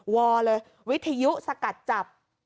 วอเลยวิทยุสกัดจับ